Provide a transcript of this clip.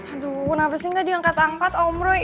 aduh kenapa sih nggak diangkat angkat om roy